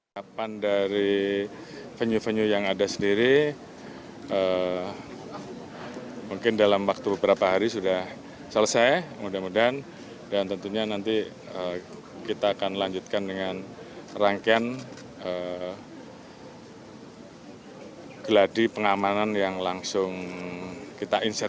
kepala negara jenderal listio sigit prabowo menyebut dalam beberapa hari ini